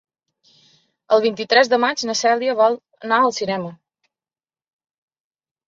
El vint-i-tres de maig na Cèlia vol anar al cinema.